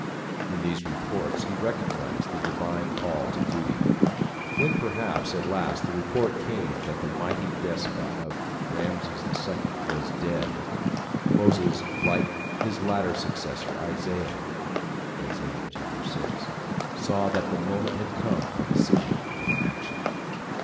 In these reports he recognized the divine call to duty. When perhaps at last the report came that the mighty despot Ramses II was dead, Moses like his later successor Isaiah (Is. 6) saw that the moment had come for decision and action.